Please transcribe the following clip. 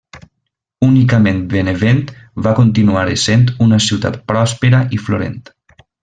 Únicament Benevent va continuar essent una ciutat pròspera i florent.